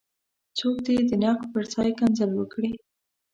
څوک دې د نقد پر ځای کنځل وکړي.